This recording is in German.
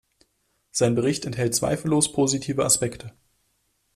Sein Bericht enthält zweifellos positive Aspekte.